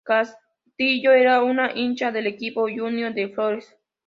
Cantillo era un hincha del equipo Junior de Flórez.